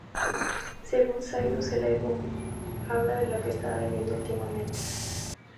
Según Cyrus, el álbum habla de lo que estaba viviendo últimamente.